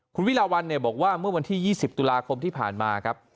คุณวิลาวันบอกว่าเมื่อวันที่๒๐ตุลาคมที่ผ่านมาครับ